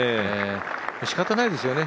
しかたないですよね